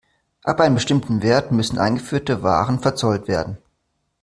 Ab einem bestimmten Wert müssen eingeführte Waren verzollt werden.